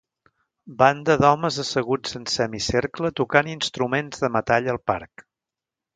Banda d'homes asseguts en semicercle tocant instruments de metall al parc.